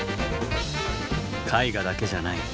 絵画だけじゃない。